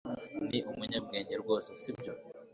ni umunyabwenge rwose, sibyo